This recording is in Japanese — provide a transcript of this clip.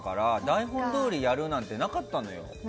台本どおりにやるなんてなかったのよ。